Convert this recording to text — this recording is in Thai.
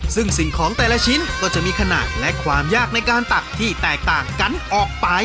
ซึ่งสิ่งของแต่ละชิ้นก็จะมีขนาดและความยากในการตักที่แตกต่างกันออกไป